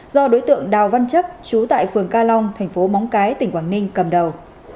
do đối tượng đào văn chất chú tại phường ca long thành phố móng cái tỉnh quảng ninh cầm đầu